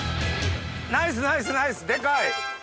ナイスナイスナイスデカい！